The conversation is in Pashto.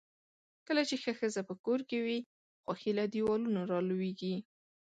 کله چې ښه ښځۀ پۀ کور کې وي، خؤښي له دیوالونو را لؤیږي.